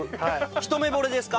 一目惚れですか？